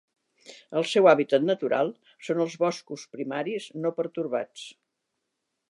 El seu hàbitat natural són els boscos primaris no pertorbats.